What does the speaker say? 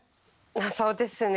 そうですね。